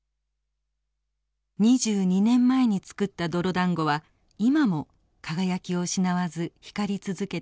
２２年前に作った泥だんごは今も輝きを失わず光り続けています。